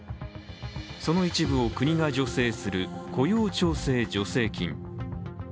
その一部を国が助成する雇用調整助成金。